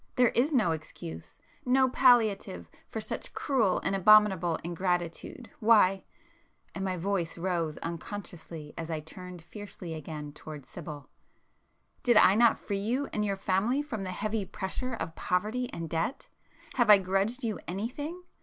There is no excuse,—no palliative for such cruel and abominable ingratitude. Why,"—and my voice rose unconsciously as I turned fiercely again towards Sibyl—"Did I not free you and your family from the heavy pressure of poverty and debt? Have I grudged you anything?